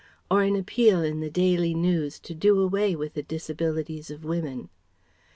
Or an appeal in the Daily News to do away with the Disabilities of Women.